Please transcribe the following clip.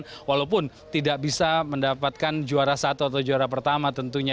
karena walaupun tidak bisa mendapatkan juara satu atau juara pertama tentunya